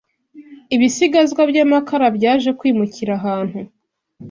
ibisigazwa by’amakara byaje kwimukira ahantu